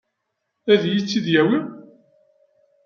Ad iyi-tt-id-yawi?